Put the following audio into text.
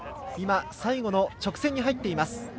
最後の直線に入っています。